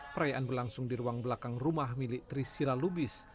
perayaan berlangsung di ruang belakang rumah milik trisira lubis